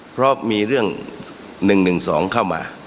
เพราะมีเรื่อง๑๑๒เข้ามา